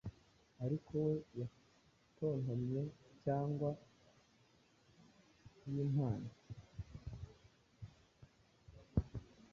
Ariko we yatontomye cyangwa yimpano